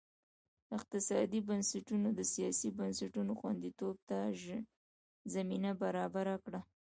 اقتصادي بنسټونو د سیاسي بنسټونو خوندیتوب ته زمینه برابره کړه.